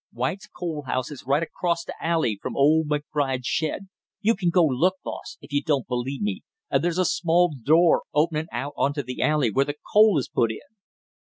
"White's coal house is right acrost the alley from old McBride's shed. You can go look, boss, if you don't believe me, and there's a small door opening out on to the alley, where the coal is put in."